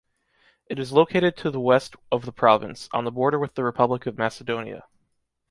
It is located to the west of the province, on the border with the Republic of Macedonia.